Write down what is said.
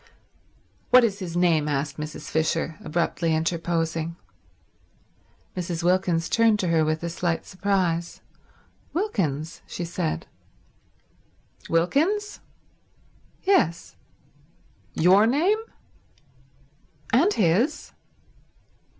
"What is his name?" asked Mrs. Fisher, abruptly interposing. Mrs. Wilkins turned to her with a slight surprise. "Wilkins," she said. "Wilkins?" "Yes," "Your name?" "And his."